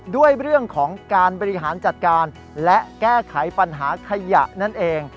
ด้วยเรื่องของการบริหารจัดการและแก้ไขปัญหาขยะนั่นเอง